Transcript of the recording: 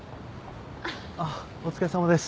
あっお疲れさまです。